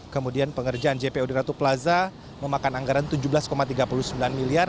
kemudian pengerjaan jpo di ratu plaza memakan anggaran rp tujuh belas tiga puluh sembilan miliar